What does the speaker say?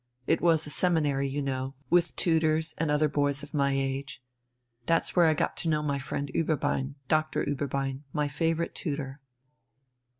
It was a seminary, you know, with tutors and other boys of my age. That's where I got to know my friend Ueberbein, Doctor Ueberbein, my favourite tutor."